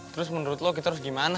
terus menurut lo kita harus gimana